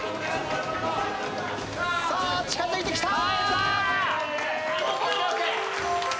さあ近づいてきた！